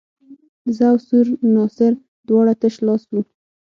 زه او سور ناصر دواړه تش لاس وو.